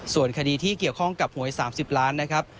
ส่วนคดีที่เกี่ยวข้องกับหวย๓๐ล้านนะครับ